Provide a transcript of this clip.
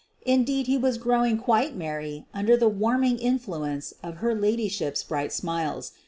Indeed, he was growing quite ;merry under the warming influence of her ladyship's bright smiles.